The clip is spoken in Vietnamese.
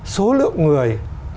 số lượng người